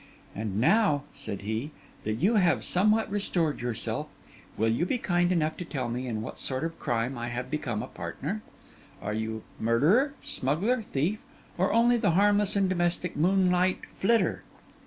'And now,' said he, 'that you have somewhat restored yourself, will you be kind enough to tell me in what sort of crime I have become a partner? Are you murderer, smuggler, thief, or only the harmless and domestic moonlight flitter?